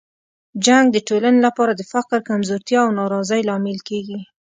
جنګ د ټولنې لپاره د فقر، کمزورتیا او ناراضۍ لامل کیږي.